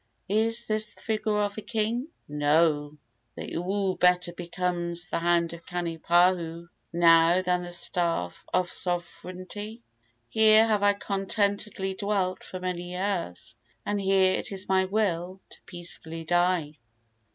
Is this the figure of a king? No! The oo better becomes the hand of Kanipahu now than the staff of sovereignty. Here have I contentedly dwelt for many years, and here it is my will to peacefully die."